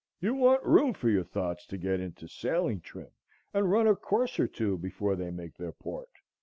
You want room for your thoughts to get into sailing trim and run a course or two before they make their port.